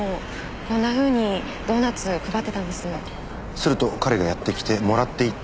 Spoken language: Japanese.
すると彼がやって来てもらっていった。